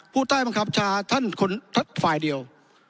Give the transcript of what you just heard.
ผู้ใต้บังคับชาท่านฝ่ายเดียว